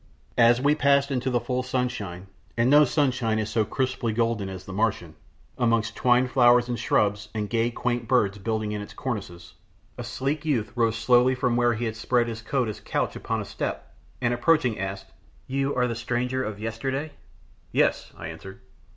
As we passed into the full sunshine and no sunshine is so crisply golden as the Martian amongst twined flowers and shrubs and gay, quaint birds building in the cornices, a sleek youth rose slowly from where he had spread his cloak as couch upon a step and approaching asked "You are the stranger of yesterday?" "Yes," I answered.